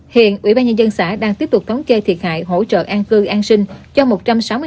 hiện ủy ban nhân dân xã đang tiếp tục thống kê thiệt hại hỗ trợ an cư an sinh cho một trăm sáu mươi hậu dân bị ảnh hưởng này